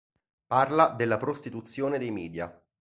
Parla della prostituzione dei media.